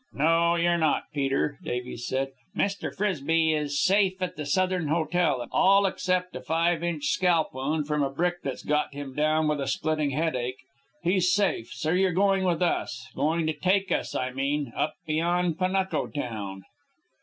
"No, you're not, Peter," Davies said. "Mr. Frisbie is safe at the Southern Hotel, all except a five inch scalp wound from a brick that's got him down with a splitting headache. He's safe, so you're going with us, going to take us, I mean, up beyond Panuco town."